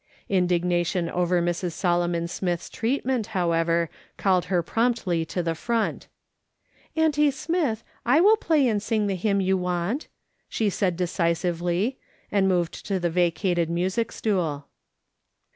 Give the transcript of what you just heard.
Indignation over Mrs. Solomon Smith's treatment, however, called her promptly to the front. " Auntie Smith, I will play and sing the hymn you want," she said decisively, and moved to the vacated music stool.